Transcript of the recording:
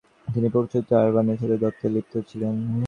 তিনি পোপ চতুর্থ আরবানের সাথে দ্বন্দ্বে লিপ্ত ছিলেন।